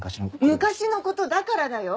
昔のことだからだよ。